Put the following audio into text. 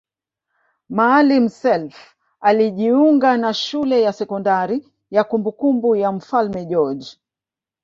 Maalim Self alijiunga na shule ya sekondari ya kumbukumbu ya mfalme George